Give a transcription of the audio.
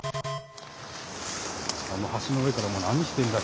あの橋の上からも「何してるんだろう？」